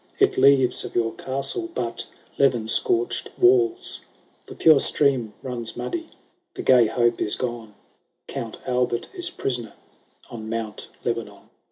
It leaves of your castle but levin scorched walls ; The pure stream runs muddy ; the gay hope is gone, Count Albert is prisoner on Mount Lebanon."